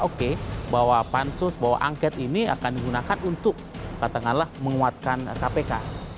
oke bahwa pansus bahwa angket ini akan digunakan untuk katakanlah menguatkan kpk